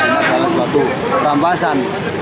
karena ada suatu rampasan